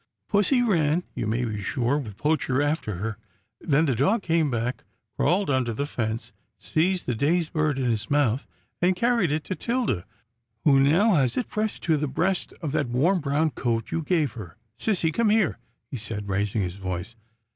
Pussy ran, you may be sure, with Poacher after her, then the dog came back, crawled under the fence, seized the dazed bird in his mouth, and carried it to 'Tilda who now has it pressed to the breast of that warm brown coat you gave her — sissy, come here," he said, raising his voice.